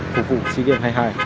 phục vụ sigem hai mươi hai